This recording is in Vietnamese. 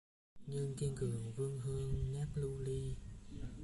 Nhưng kiên cường vươn hương ngát lưu ly